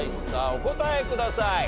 お答えください。